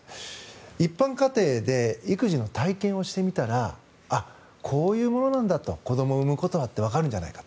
一般家庭で育児の体験をしてみたらあっ、こういうものなんだと子どもを産むことはとわかるんじゃないかと。